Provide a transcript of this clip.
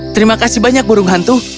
terima kasih banyak burung hantu